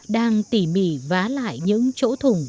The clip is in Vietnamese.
đang tỉ mỉ vá lại những chỗ thủng